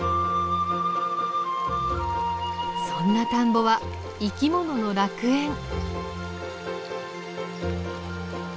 そんな田んぼは生き物の楽園。